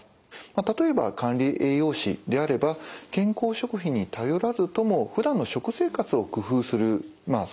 例えば管理栄養士であれば健康食品に頼らずともふだんの食生活を工夫するそれで解決できることも。